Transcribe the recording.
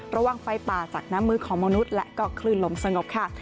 ระวังไฟป่าจากน้ำมือของมนุษย์และก็คลื่นลมสงบค่ะ